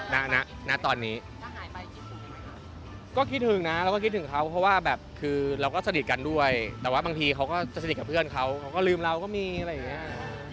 ณตอนนี้ก็คิดถึงนะเราก็คิดถึงเขาเพราะว่าแบบคือเราก็สนิทกันด้วยแต่ว่าบางทีเขาก็สนิทกับเพื่อนเขาเขาก็ลืมเราก็มีอะไรอย่างเงี้ย